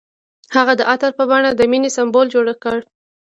هغه د عطر په بڼه د مینې سمبول جوړ کړ.